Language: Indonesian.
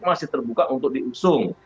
masih terbuka untuk diusung